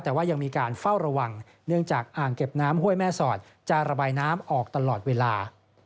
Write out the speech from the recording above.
ห้วยแม่ศอดจะระบายน้ำออกตลอดเวลา